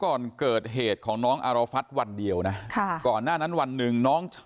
ก่อนเกิดเหตุของน้องอารฟัฐวันเดียวนะค่ะก่อนหน้านั้นวันหนึ่งน้อง